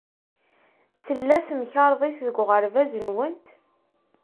Tella temkarḍit deg uɣerbaz-nwent?